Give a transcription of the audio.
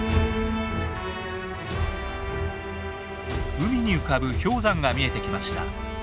海に浮かぶ氷山が見えてきました。